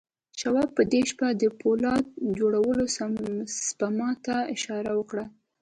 شواب په دې شپه د پولاد جوړولو سپما ته اشاره وکړه